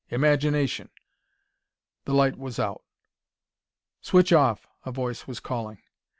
Imagination!" The light was out. "Switch off!" a voice was calling.